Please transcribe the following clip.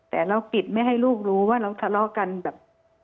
แต่เราปิดไม่ให้ลูกรู้ว่าเราทะเลาะกันแบบ